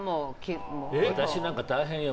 私なんか大変よ。